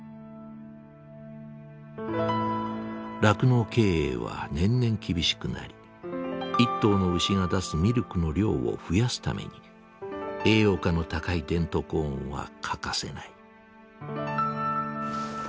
酪農経営は年々厳しくなり１頭の牛が出すミルクの量を増やすために栄養価の高いデントコーンは欠かせない。